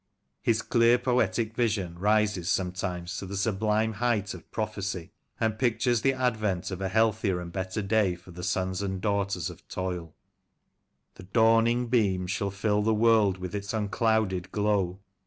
His clear poetic vision rises sometimes to the sublime height of 6 Lancashire Characters and Places, prophecy, and pictures the advent of a healthier and better day for the sons and daughters of toil —(( The dawning beam Shall fill the world with its unclouded glow